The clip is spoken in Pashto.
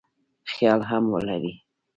خیال هم ولري.